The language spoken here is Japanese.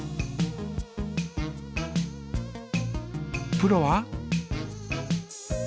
プロは？